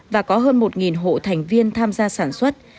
và có hơn một hộ thành viên tham gia sản xuất